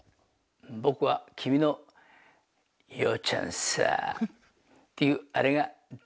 僕は君の「洋ちゃんさあ」っていうアレが大好きです。